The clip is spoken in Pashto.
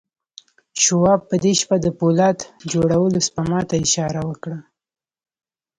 شواب په دې شپه د پولاد جوړولو سپما ته اشاره وکړه